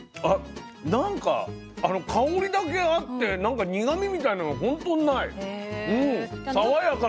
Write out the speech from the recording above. あっなんか香りだけあってなんか苦みみたいなのほんとにない。